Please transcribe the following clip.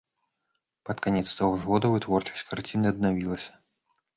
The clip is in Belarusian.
Пад канец таго ж года вытворчасць карціны аднавілася.